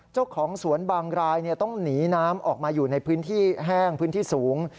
เจ้าของสวนบางรายต้องหนีน้ำออกมาอยู่ในพื้นที่แห้งพื้นที่สูง